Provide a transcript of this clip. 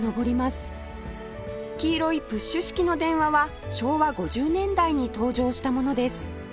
黄色いプッシュ式の電話は昭和５０年代に登場したものです